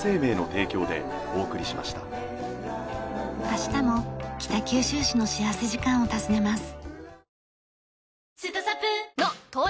明日も北九州市の幸福時間を訪ねます。